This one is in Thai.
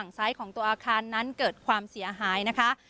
ซ้ายของตัวอาคารนั้นเกิดความเสียหายนะคะ